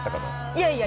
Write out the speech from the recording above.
いやいや。